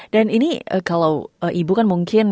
dan ini kalau ibu kan mungkin